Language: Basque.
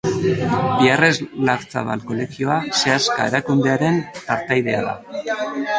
Piarres Larzabal kolegioa Seaska erakundearen partaidea da.